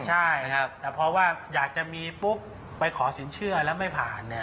ใช่แต่เพราะว่าอยากจะมีปุ๊บไปขอสินเชื่อแล้วไม่ผ่าน